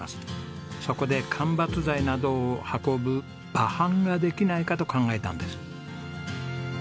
そこで間伐材などを運ぶ馬搬ができないかと考えたんです。